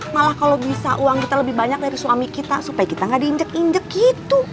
malah kalau bisa uang kita lebih banyak dari suami kita supaya kita nggak diinjek injek gitu